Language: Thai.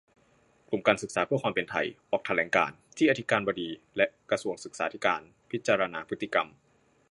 กลุ่มการศึกษาเพื่อความเป็นไท ออกแถลงการณ์ จี้อธิการบดีและกระทรวงศึกษาธิการพิจารณาพฤติกรรม